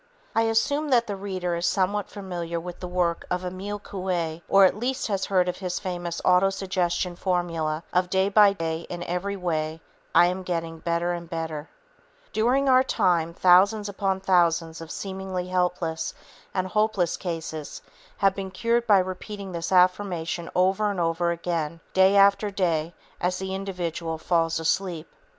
I assume that the reader is somewhat familiar with the work of Emile Coué or at least has heard of his famous autosuggestion formula of "Day by day, in every way, I'm getting better and better." During our time, thousands upon thousands of seemingly helpless and hopeless cases have been cured by repeating this affirmation over and over again, day after day, as the individual falls asleep.